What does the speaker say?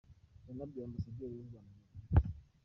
Yanabaye Ambasaderi w’u Rwanda mu Bubiligi.